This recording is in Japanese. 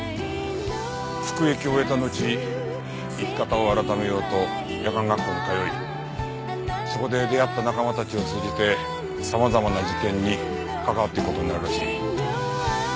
服役を終えたのち生き方を改めようと夜間学校に通いそこで出会った仲間たちを通じて様々な事件に関わっていく事になるらしい。